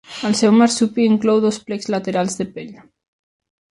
El seu marsupi inclou dos plecs laterals de pell.